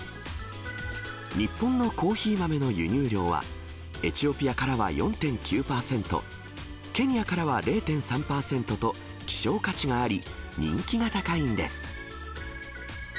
日本のコーヒー豆の輸入量は、エチオピアからは４．９％、ケニアからは０．３％と、希少価値があり、人気が高いんです。